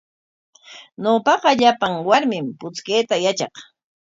Ñawpaqa llapan warmim puchkayta yatraq.